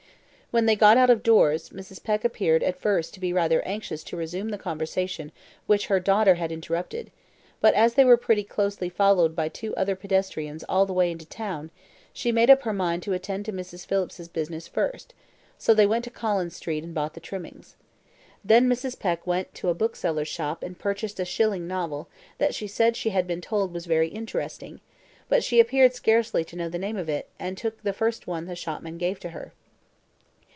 When they got out of doors, Mrs. Peck appeared at first to be rather anxious to resume the conversation which her daughter had interrupted; but as they were pretty closely followed by two other pedestrians all the way into town, she made up her mind to attend to Mrs. Phillips's business first, so they went to Collins Street and bought the trimmings. Then Mrs. Peck went to a bookseller's shop and purchased a shilling novel that she said she had been told was very interesting, but she appeared scarcely to know the name of it, and took the first one the shopman gave to her.